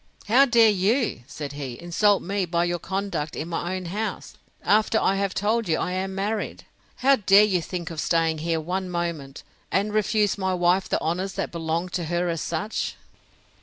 —How dare you, said he, insult me by your conduct in my own house, after I have told you I am married? How dare you think of staying here one moment, and refuse my wife the honours that belong to her as such?